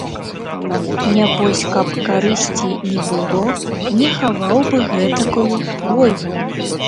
Нябось, каб карысці не было, не хаваў бы гэтакую плойму.